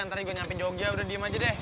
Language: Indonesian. ntar juga nyampe jogja udah diem aja deh